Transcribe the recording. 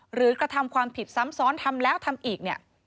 กระทำความผิดซ้ำซ้อนทำแล้วทำอีกเนี่ย